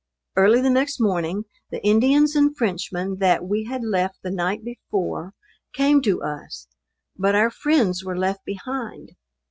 Early the next morning the Indians and Frenchmen that we had left the night before, came to us; but our friends were left behind.